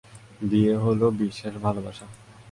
বিয়ে হলো বিশ্বাস, ভালবাসা।